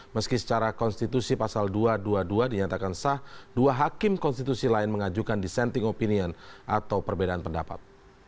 meski secara konstitusi pasal dua ratus dua puluh dua dinyatakan sah dua hakim konstitusi lain mengajukan dissenting opinion atau perbedaan pendapat